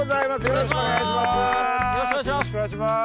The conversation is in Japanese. よろしくお願いします。